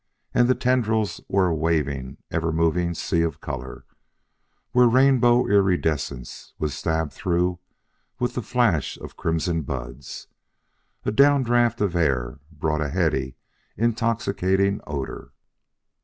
And the tendrils were a waving, ever moving sea of color, where rainbow iridescence was stabbed through with the flash of crimson buds. A down draft of air brought a heady, intoxicating odor.